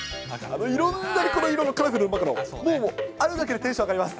いろんな色のこのカラフルなマカロン、もうあるだけでテンション上がります。